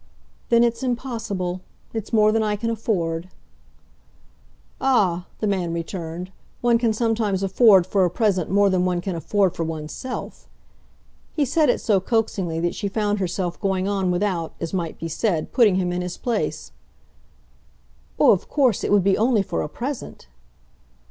"Then it's impossible. It's more than I can afford." "Ah," the man returned, "one can sometimes afford for a present more than one can afford for one's self." He said it so coaxingly that she found herself going on without, as might be said, putting him in his place. "Oh, of course it would be only for a present